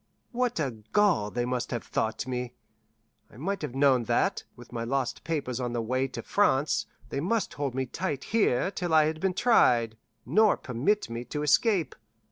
What a gull they must have thought me! I might have known that, with my lost papers on the way to France, they must hold me tight here till I had been tried, nor permit me to escape.